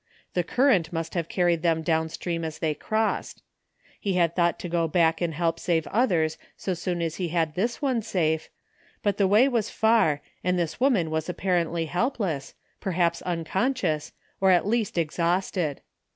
The current must have carried them downstream as they crossed. He had thought to go back and help save others so soon as he had this one safe, but the way was far and this woman was appar ently helpless, perhaps imconscious, or at least ex hausted.